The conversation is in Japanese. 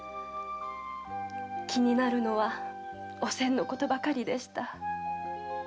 気になるのはおせんのことばかりでした。